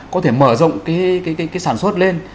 có thể mở rộng cái sản xuất lên